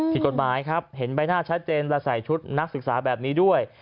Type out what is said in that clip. ผิดกฎหมายครับเห็นใบหน้าชัดเจนและใส่ชุดนักศึกษาแบบนี้ด้วย